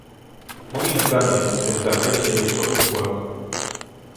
Moim zdaniem w tym zakresie jest to układ